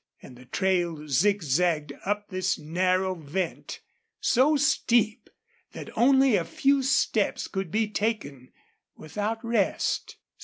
And the trail zigzagged up this narrow vent, so steep that only a few steps could be taken without rest.